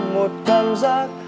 một cảm giác